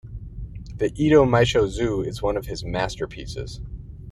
The "Edo Meisho Zue" is one of his masterpieces.